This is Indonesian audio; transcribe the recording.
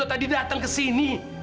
dan ibunya edo tadi datang ke sini